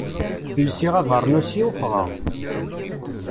Lsiɣ abernus-iw, ffɣeɣ.